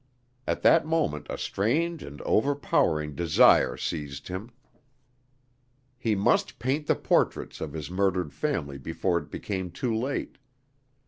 At that moment a strange and overpowering desire seized him. He must paint the portraits of his murdered family before it became too late.